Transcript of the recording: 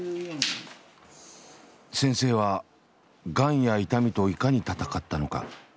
先生はがんや痛みといかに闘ったのか。